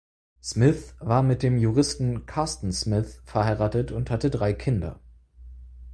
Smith war mit dem Juristen Carsten Smith verheiratet und hatte drei Kinder.